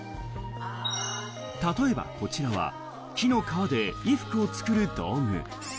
例えばこちらは木の皮で衣服を作る道具。